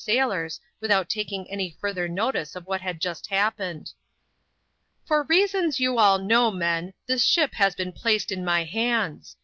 S9 sailors, without taking any further notice of what had just happened. ^' For reasons you all know, men, this ship has heen placed in my hands.